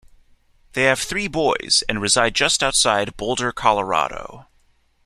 They have three boys and reside just outside Boulder, Colorado.